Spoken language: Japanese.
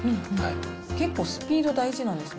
結構、スピード大事なんですね。